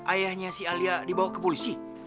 ayahnya si alia dibawa ke polisi